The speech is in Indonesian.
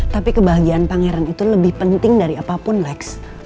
tapi kebahagiaan pangeran itu lebih penting dari apapun lex